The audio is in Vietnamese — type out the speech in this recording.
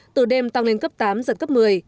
từ đêm tăng lên cấp tám giật cấp một mươi